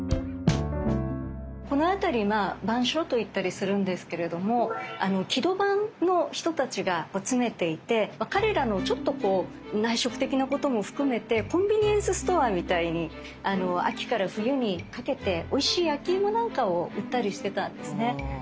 この辺り「番所」と言ったりするんですけれども「木戸番」の人たちが詰めていて彼らのちょっとこう内職的なことも含めてコンビニエンスストアみたいに秋から冬にかけておいしい焼き芋なんかを売ったりしてたんですね。